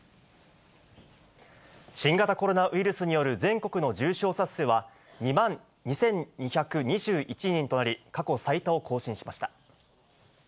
新型コロナウイルスによる全国の重症者数は、２２２１人となり、過去最多を更新しました。